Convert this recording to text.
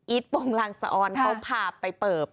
อิ๊ดปงรังสออนเขาพาไปเปิบ